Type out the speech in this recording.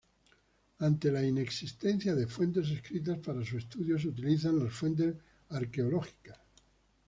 Ante la inexistencia de fuentes escritas, para su estudio se utilizan las fuentes arqueológicas.